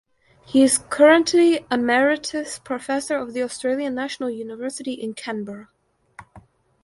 He is currently Emeritus Professor of the Australian National University in Canberra.